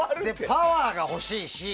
パワーが欲しいし。